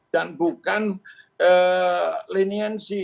dan bukan leniensi